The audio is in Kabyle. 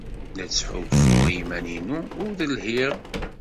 La ttḥulfuɣ i yiman-inu ur lhiɣ.